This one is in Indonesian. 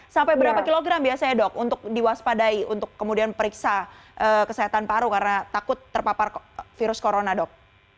sampai berapa kilogram biasanya dok untuk diwaspadai untuk kemudian periksa kesehatan paru karena takut terpapar virus corona dok